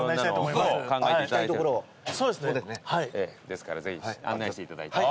ですからぜひ案内していただいて。